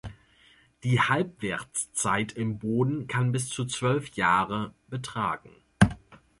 Die Halbwertszeit im Boden kann bis zu zwölf Jahre betragen.